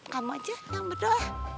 kamu aja yang berdoa